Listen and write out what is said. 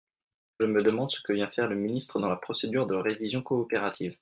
Je me demande ce que vient faire le ministre dans la procédure de révision coopérative.